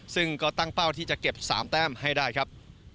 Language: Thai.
ซึ่งก็ตั้งเป้าที่จะเก็บ๓แต้มให้ได้ครับ